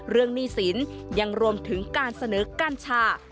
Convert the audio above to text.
เรื่องหนี้สินยังรวมถึงการสเนอด์กั้นชา